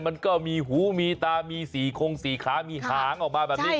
มันก็มีหูมีตามี๔คง๔ขามีหางออกมาแบบนี้